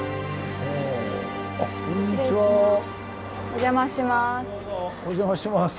お邪魔します。